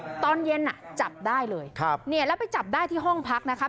ตอนเย็นอ่ะจับได้เลยครับเนี่ยแล้วไปจับได้ที่ห้องพักนะครับ